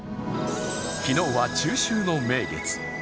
昨日は中秋の名月。